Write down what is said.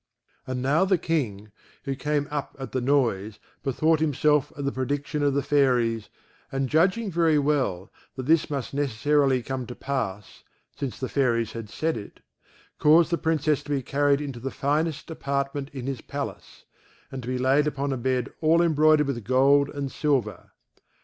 And now the King, who came up at the noise, bethought himself of the prediction of the Fairies, and judging very well that this must necessarily come to pass, since the Fairies had said it, caused the Princess to be carried into the finest apartment in his palace, and to be laid upon a bed all embroidered with gold and silver.